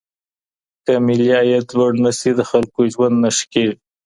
که ملي عايد لوړ نه سي د خلګو ژوند نه ښه کېږي.